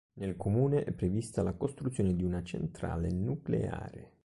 Nel comune è prevista la costruzione di una centrale nucleare.